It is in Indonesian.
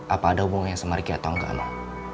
apa ada hubungannya sama riki atau enggak mau